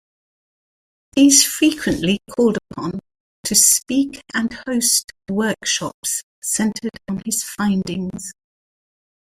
He is frequently called upon to speak and host workshops centered on his findings.